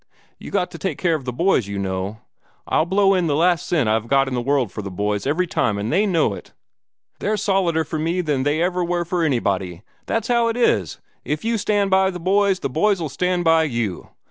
You got to take care of the boys, you know. I'll blow in the last cent I've got in the world for the boys, every time, and they know it. They're solider for me than they ever were for anybody. That's how it is. If you stand by the boys, the boys'll stand by you.